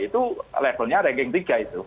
itu levelnya ranking tiga itu